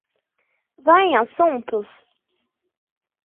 Vá em assuntos?